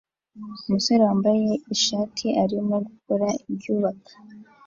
Umusore wambaye ishati arimo gukora ibyubaka